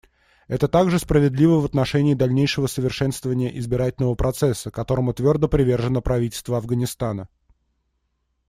Это также справедливо в отношении дальнейшего совершенствования избирательного процесса, которому твердо привержено правительство Афганистана.